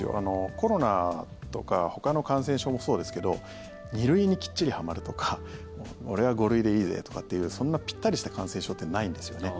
コロナとかほかの感染症もそうですけど２類にきっちりはまるとか俺は５類でいいぜとかっていうそんなぴったりした感染症ってないんですよね。